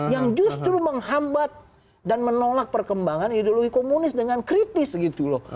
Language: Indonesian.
yang justru menghambat dan menolak perkembangan ideologi komunis dengan kritis gitu loh